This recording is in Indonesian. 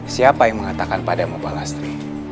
siapa yang mengatakan padamu balastri